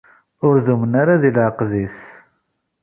Ur dumen ara di leɛqed-is.